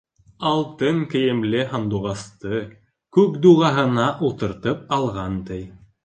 Алтын кейемле һандуғасты күк дуғаһына ултыртып алған, ти.